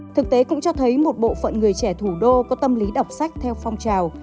thực tế cũng cho thấy một bộ phận người trẻ thủ đô có tâm lý đọc sách theo phong trào